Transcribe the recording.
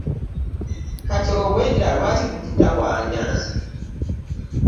Kati obwedda lwaki mututawaanya?